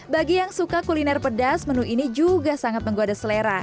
bagi yang suka kuliner pedas menu ini juga sangat menggoda selera